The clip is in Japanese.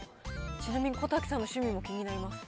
ちなみに小瀧さんの趣味も気になります。